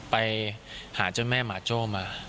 ไปหาเจ้าแม่หมาโจ้มา